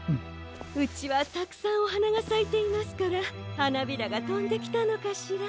うちはたくさんおはながさいていますからはなびらがとんできたのかしら。